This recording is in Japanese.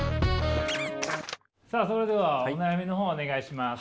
さあそれではお悩みの方お願いします。